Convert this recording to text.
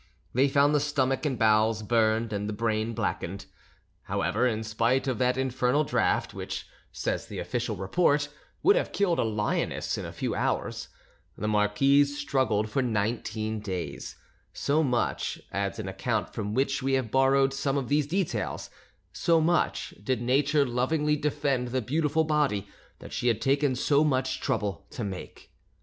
They found the stomach and bowels burned and the brain blackened. However, in spite of that infernal draught, which, says the official report, "would have killed a lioness in a few hours," the marquise struggled for nineteen days, so much, adds an account from which we have borrowed some of these details, so much did nature lovingly defend the beautiful body that she had taken so much trouble to make.